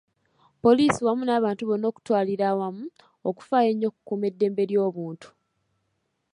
Poliisi wamu n’abantu bonna okutwalira awamu, okufaayo ennyo ku kukuuma eddembe ly’obuntu.